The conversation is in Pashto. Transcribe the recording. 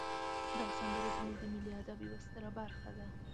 دا سندرې زمونږ د ملی ادب یوه ستره برخه ده.